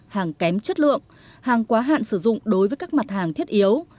hàng kém chất lượng hàng quá hạn sử dụng đối với các mặt hàng thiết yếu